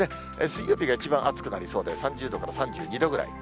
水曜日が一番暑くなりそうで、３０度から３２度ぐらい。